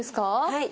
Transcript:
はい。